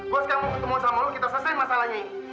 gua sekarang mau ketemu sama lo kita selesai masalahnya ini